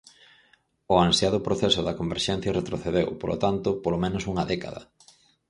O ansiado proceso de converxencia retrocedeu, polo tanto, polo menos unha década.